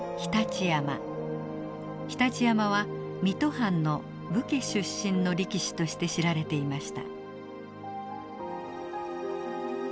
常陸山は水戸藩の武家出身の力士として知られていました。